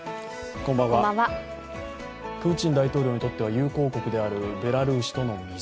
プーチン大統領にとっては友好国であるベラルーシとの溝。